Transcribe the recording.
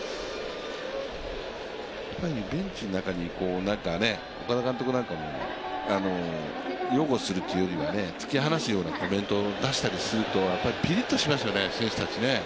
ベンチの中に、岡田監督なんかも擁護するというよりは突き放すようなコメントを出したりするとピリッとしますよね、選手たち。